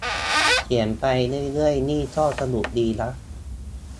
เขียนไปเรื่อยเรื่อยนี่ก็สนุกดีนะ